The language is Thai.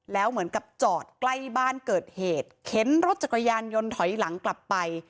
แล้วเหมือนกับจอดใกล้บ้านเกิดเหตุเข็นรถจักรยานยนต์ถอยหลังกลับไป